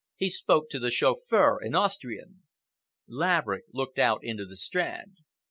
He spoke to the chauffeur in Austrian." Laverick looked out into the Strand.